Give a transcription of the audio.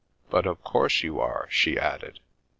" But, of course you are," she added.